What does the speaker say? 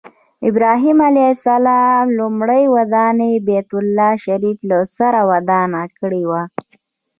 ابراهیم علیه السلام لومړنۍ ودانۍ بیت الله شریفه له سره ودانه کړې وه.